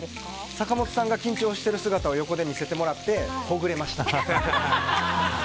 坂本さんが緊張してる姿を横で見せてもらってほぐれました。